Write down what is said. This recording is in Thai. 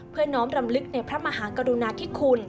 เพื่อน้องรำลึกในพระมหากรุณาที่คุณ